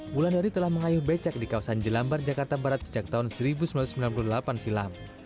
wulandari telah mengayuh becak di kawasan jelambar jakarta barat sejak tahun seribu sembilan ratus sembilan puluh delapan silam